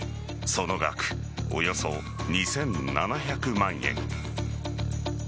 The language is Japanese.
その額、およそ２７００万円。